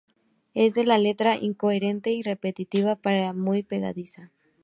Es de letra incoherente y repetitiva pero muy pegadiza.